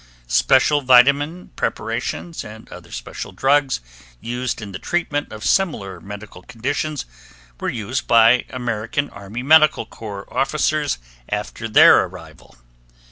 Special vitamin preparations and other special drugs used in the treatment of similar medical conditions were used by American Army Medical Corps officers after their arrival.